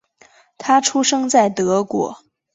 他出生在德国。